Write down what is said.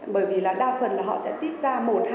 bởi vì là đa phần là họ sẽ tiếp da một hai ba